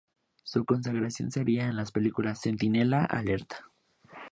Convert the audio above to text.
Su consagración seria en las películas "¡Centinela, alerta!